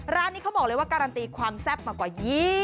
ร้านนี้เขาบอกเลยว่าการันตีความแซ่บมากว่า